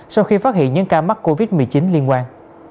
sau khi phát hiện những ca mắc covid một mươi chín liên quan